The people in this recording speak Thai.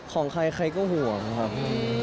ของใครใครก็ห่วงครับ